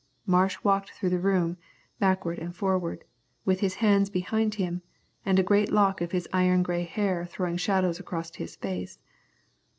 Marsh walked through the room, backward and forward, with his hands behind him, and a great lock of his iron grey hair throwing shadows across his face.